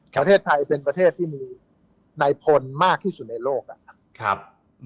ประเทศไทยเป็นประเทศที่มีนายพลมากที่สุดในโลกนะครับ